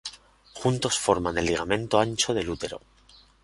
Juntos forman el ligamento ancho del útero..."